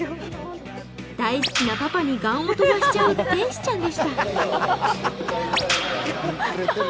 大好きなパパにガンを飛ばしちゃう天使ちゃんでした。